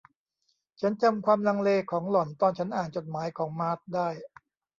ฉันจำความลังเลของหล่อนตอนฉันอ่านจดหมายของมาร์ธได้